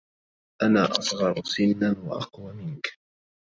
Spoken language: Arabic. أنا أصغر سنّا و أقوى منك.